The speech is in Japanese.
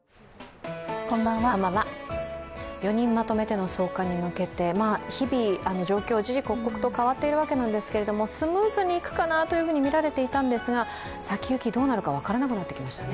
４人まとめての送還に向けて日々、状況は時々刻々と変わっているわけなんですけれども、スムーズにいくかなとみられていたんですが、先行き、どうなるか分からなくなってきましたね。